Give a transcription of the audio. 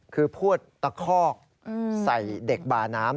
คือพวดตะคอกใส่เด็กบาน้ำ